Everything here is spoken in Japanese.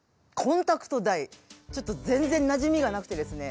ちょっと全然なじみがなくてですね。